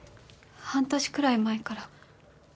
半年くらい前から。